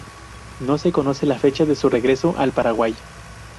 No se conoce la fecha de su regreso al Paraguay.